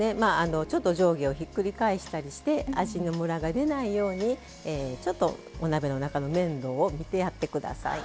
ちょっと上下をひっくり返したりして味のムラが出ないようにちょっとお鍋の中の面倒を見てやって下さい。